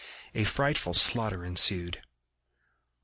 A frightful slaughter ensued.